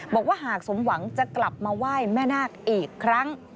บอกว่าหากสมหวังจะกลับมาไหว้แม่นาคอีกครั้ง